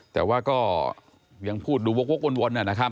แต่ว่าก็ยังพูดดูวกวนนะครับ